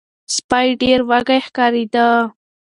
سپی ډیر وږی ښکاریده.